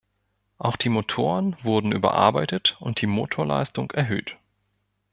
Auch die Motoren wurden überarbeitet und die Motorleistungen erhöht.